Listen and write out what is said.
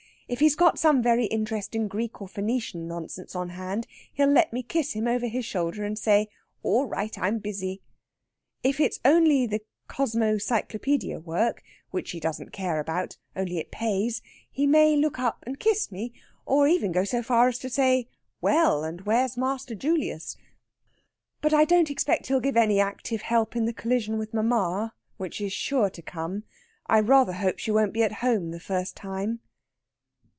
If he's got some very interesting Greek or Phoenician nonsense on hand, he'll let me kiss him over his shoulder and say, 'All right I'm busy.' If it's only the Cosmocyclopædia work which he doesn't care about, only it pays he may look up and kiss me, or even go so far as to say: 'Well! and where's master Julius?' But I don't expect he'll give any active help in the collision with mamma, which is sure to come. I rather hope she won't be at home the first time."